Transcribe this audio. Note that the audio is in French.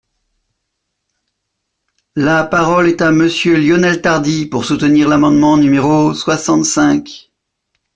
La parole est à Monsieur Lionel Tardy, pour soutenir l’amendement numéro soixante-cinq.